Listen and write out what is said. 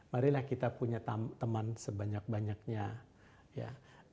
marilah kita punya teman sebanyak banyaknya ya